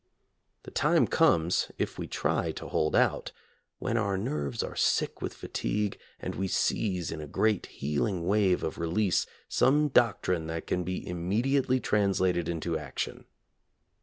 The time comes, if we try to hold out, when our nerves are sick with fatigue, and we seize in a great healing wave of release some doc trine that can be immediately translated into ac tion.